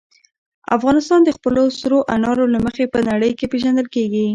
افغانستان د خپلو سرو انارو له مخې په نړۍ کې پېژندل کېږي.